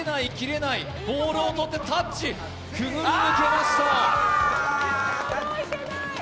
ボールをとってタッチ、くぐり抜けました。